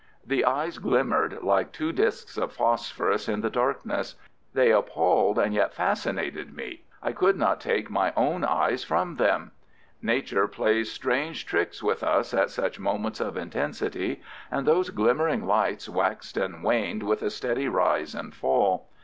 The eyes glimmered like two discs of phosphorus in the darkness. They appalled and yet fascinated me. I could not take my own eyes from them. Nature plays strange tricks with us at such moments of intensity, and those glimmering lights waxed and waned with a steady rise and fall.